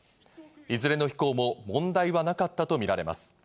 いずれの飛行も問題はなかったとみられます。